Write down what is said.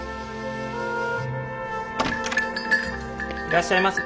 いらっしゃいませ。